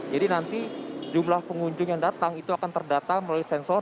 jadi nanti jumlah pengunjung yang datang itu akan terdata melalui sensor